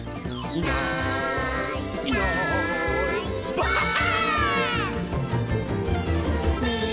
「いないいないばあっ！」